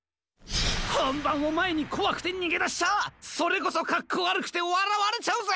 ほんばんをまえにこわくてにげだしちゃそれこそかっこわるくてわらわれちゃうぜ！